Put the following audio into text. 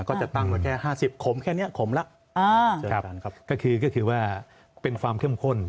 ก็จะตั้งแค่๕๐ขมแค่นี้ขมละก็คือก็คือว่าเป็นความเข้มข้น